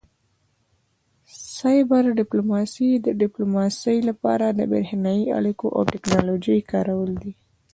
سایبر ډیپلوماسي د ډیپلوماسي لپاره د بریښنایي اړیکو او ټیکنالوژۍ کارول دي